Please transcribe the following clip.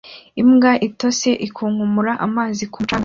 Imbwa itose ikunkumura amazi ku mucanga